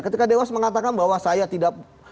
ketika dewas mengatakan bahwa saya tidak